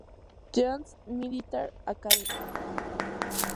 John's Military Academy.